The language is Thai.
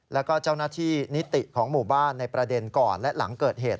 แล้วก็เจ้าหน้าที่นิติของหมู่บ้านในประเด็นก่อนและหลังเกิดเหตุ